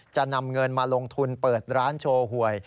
จะนำเงินมาลงทุนเปิดร้านโชว์หวย